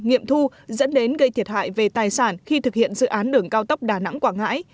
nghiệm thu dẫn đến gây thiệt hại về tài sản khi thực hiện dự án đường cao tốc đà nẵng quảng ngãi